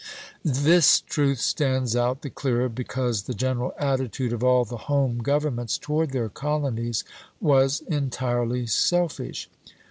This truth stands out the clearer because the general attitude of all the home governments toward their colonies was entirely selfish.